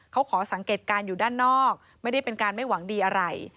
เขาขอสังเกตการณ์อยู่ด้านนอกไม่ได้เป็นการไม่หวังดีอะไร